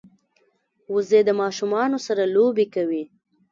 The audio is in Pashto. وزې د ماشومانو سره لوبې کوي